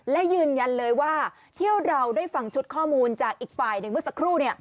และยืนยันเลยว่าที่เราได้ฟังชุดข้อมูลจากอีกฝ่ายหนึ่งเมื่อสักครู่